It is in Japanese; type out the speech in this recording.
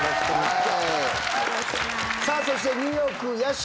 さあそしてニューヨーク屋敷です。